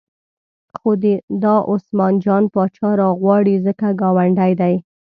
خو دا عثمان جان پاچا راوغواړئ ځکه ګاونډی دی.